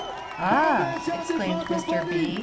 "Ah!" exclaimed Mr. B.